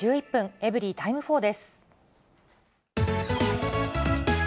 エブリィタイム４です。